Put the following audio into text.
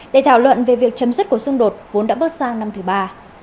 để thảo luận về việc chấm dứt cuộc xung đột vốn đã bước sang năm thứ ba